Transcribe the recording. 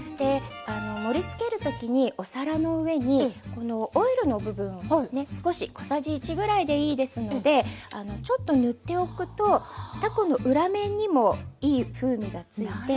盛りつける時にお皿の上にこのオイルの部分をですね少し小さじ１ぐらいでいいですのでちょっと塗っておくとたこの裏面にもいい風味がついて。